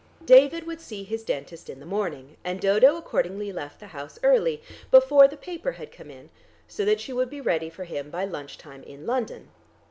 David would see his dentist in the morning, and Dodo accordingly left the house early, before the paper had come in, so that she would be ready for him by lunch time in London.